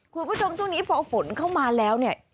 คุณผู้ชมช่วงนี้พอฝนเข้ามาแล้วเนี่ย